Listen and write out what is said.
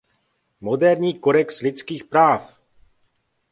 Moderní kodex lidských práv!